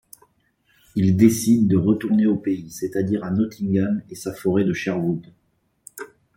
Ils décident de retourner au pays, c’est-à-dire à Nottingham et sa forêt de Sherwood.